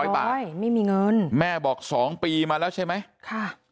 ๕๐๐บาทไม่มีเงินแม่บอก๒ปีมาแล้วใช่ไหมค่ะ